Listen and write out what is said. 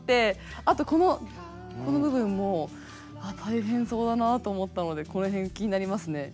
あとこの部分も大変そうだなと思ったのでこの辺気になりますね。